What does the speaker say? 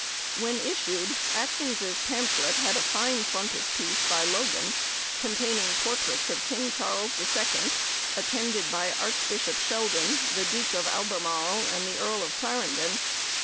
When issued, Atkyns' pamphlet had a fine frontispiece, by Logan, containing portraits of King Charles II, attended by Archbishop Sheldon, the Duke of Albermarle, and the Earl of Clarendon.